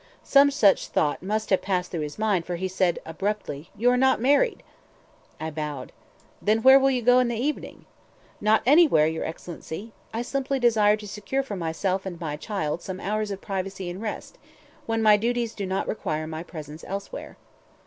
Some such thought must have passed through his mind, for he said abruptly, "You not married!" I bowed. "Then where will you go in the evening?" "Not anywhere, your Excellency. I simply desire to secure for myself and my child some hours of privacy and rest, when my duties do not require my presence elsewhere."